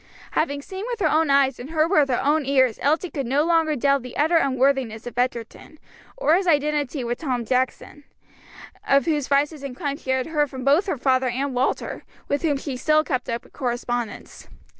Having seen with her own eyes, and heard with her own ears, Elsie could no longer doubt the utter unworthiness of Egerton, or his identity with Tom Jackson; of whose vices and crimes she had heard from both her father and Walter, with whom she still kept up a correspondence.